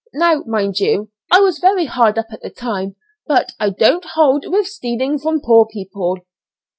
Now, mind you, I was very hard up at the time, but I don't hold with stealing from poor people.